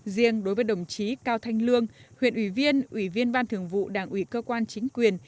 riêng đối với đồng chí cao thanh lương huyện ủy viên ủy viên ban thường vụ đảng ủy cơ quan chính quyền